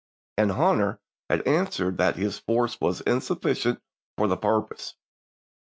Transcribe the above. and Hunter had J6tJMk answered that his force was insufficient for the purpose.